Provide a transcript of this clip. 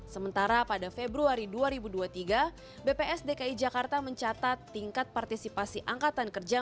sementara pada februari dua ribu dua puluh tiga bps dki jakarta mencatat tingkat partisipasi angkatan kerja